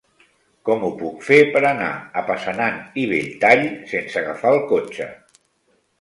Com ho puc fer per anar a Passanant i Belltall sense agafar el cotxe?